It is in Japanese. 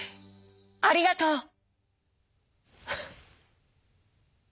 ありがとう！」。